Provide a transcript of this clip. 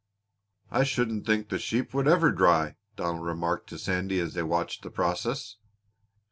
"I shouldn't think the sheep would ever dry!" Donald remarked to Sandy as they watched the process.